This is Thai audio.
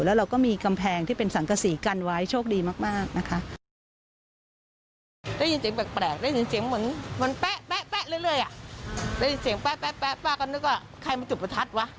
หลังกับสีกันไว้โชคดีมากนะคะ